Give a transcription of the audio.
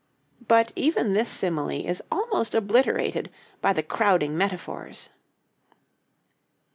But even this simile is almost obliterated by the crowding metaphors.